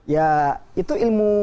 ya itu ilmu